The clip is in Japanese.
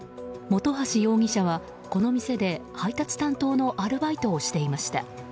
本橋容疑者はこの店で配達担当のアルバイトをしていました。